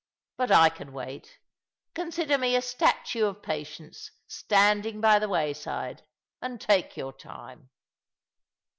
But I can wait. Consider me a statue of patience standing by the way side, and take your time."